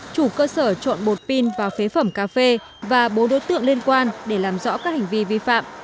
chủ cơ sở trộn bột pin vào phế phẩm cà phê và bố đối tượng liên quan để làm rõ các hành vi vi phạm